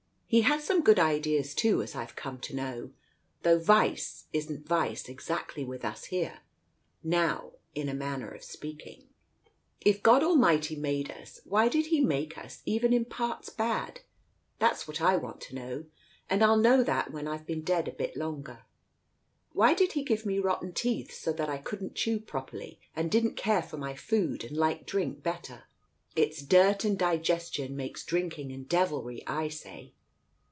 He had some good ideas too, as Pve come to know, though Vice isn't Vice exactly with us here, now, in a manner of speaking. If God Almighty made us, why did He make us, even in parts, bad? That's what I want to know, and I'll know that when I've been dead a bit longer. Why did He give me rotten teeth so that I couldn't chew properly and didn't care for my food and liked drink better? It's dirt and digestion makes drink ing and devilry, I say."